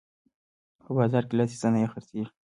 په بازار کې لاسي صنایع خرڅیږي.